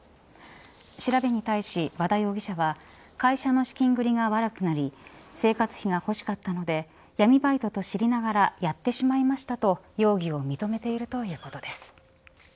調べに対し、和田容疑者は会社の資金繰りが悪くなり生活費が欲しかったので闇バイトと知りながらやってしまいましたと容疑を認めているということです。